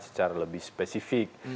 secara lebih spesifik